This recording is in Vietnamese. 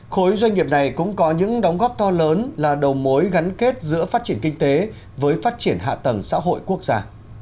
khối doanh nghiệp này cũng có những đóng góp to lớn là đầu mối gắn kết giữa phát triển kinh tế với phát triển hạ tầng xã hội quốc gia